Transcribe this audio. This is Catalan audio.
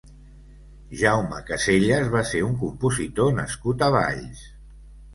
Jaume Caselles va ser un compositor nascut a Valls.